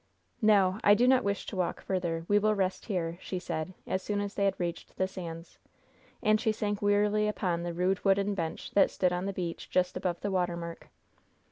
"No; I do not wish to walk further. We will rest here," she said, as soon as they had reached the sands. And she sank wearily upon the rude wooden bench that stood on the beach just above the water mark.